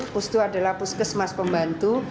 pustu adalah puskesmas pembantu